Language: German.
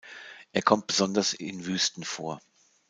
Er kommt besonders in Wüsten vor.